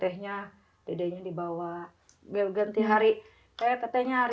satu kali bawa teti sekali bawa dedeknya